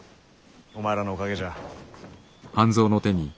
お前らのおかげじゃ。